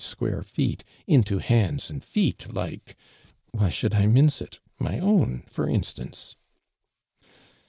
H(|uare feet into hands and feet like— why shoukl 1 mince it '.' my own, for instance